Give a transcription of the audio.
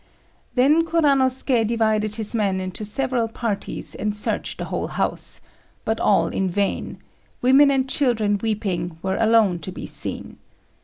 Then Kuranosuké divided his men into several parties and searched the whole house, but all in vain; women and children weeping were alone to be seen.